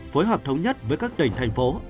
phối hợp thống nhất với các tỉnh thành phố